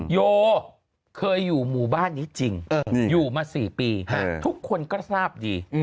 โยเคยอยู่หมู่บ้านนี้จริงอยู่มา๔ปีทุกคนก็ทราบดี